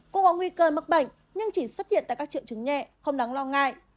cũng có nguy cơ mắc bệnh nhưng chỉ xuất hiện tại các triệu chứng nhẹ không đáng lo ngại